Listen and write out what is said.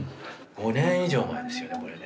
５年以上前ですよねこれね。